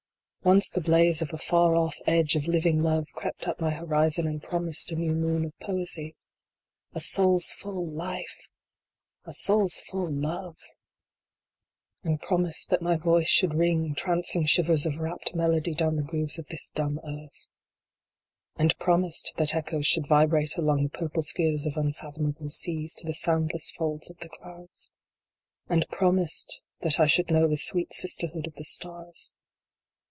Once the blaze of a far off edge of living Love crept up my horizon and promised a new moon of Poesy. A soul s full life ! A soul s full love ! And promised that my voice should ring trancing shivers of rapt melody down the grooves of this dumb earth. And promised that echoes should vibrate along the pur RESURGAM. x j pie spheres of unfathomable seas, to the soundless folds of the clouds. And promised that I should know the sweet sisterhood of the stars.